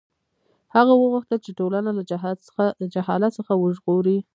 هغه غوښتل چې ټولنه له جهالت څخه وژغوري.